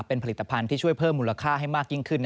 เป็นผลิตภัณฑ์ที่ช่วยเพิ่มมูลค่าให้มากยิ่งขึ้น